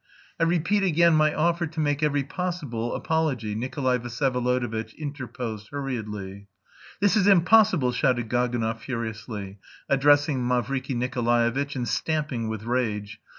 "I repeat again my offer to make every possible apology," Nikolay Vsyevolodovitch interposed hurriedly. "This is impossible," shouted Gaganov furiously, addressing Mavriky Nikolaevitch, and stamping with rage.